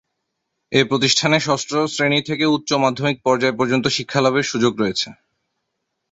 এ প্রতিষ্ঠানে ষষ্ঠ শ্রেণী থেকে উচ্চ মাধ্যমিক পর্যায় পর্যন্ত শিক্ষালাভের সুযোগ রয়েছে।